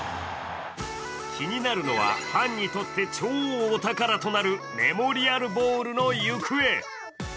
気になるのは、ファンにとって超お宝となるメモリアルボールの行方。